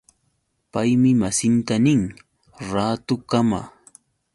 Paymi masinta nin: Raatukama.